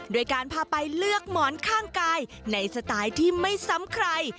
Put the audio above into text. ด้วยการพาไปเลือกหมอนข้างกายในสไตล์ที่ไม่ซ้ำใคร